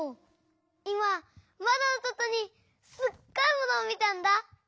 いままどのそとにすっごいものをみたんだ！